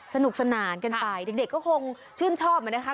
สนุกสนานกันไปเด็กก็คงชื่นชอบนะคะ